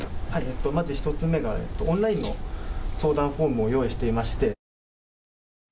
まず１つ目がオンラインの相談フォームを用意しています。